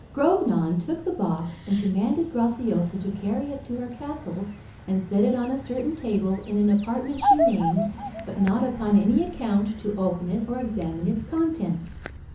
Grognon took the box, and commanded Graciosa to carry it to her castle, and set it on a certain table, in an apartment she named, but not upon any account, to open it or examine its contents.